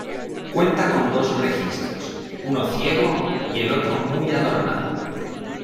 Cuenta con dos registros, uno ciego y el otro muy adornado.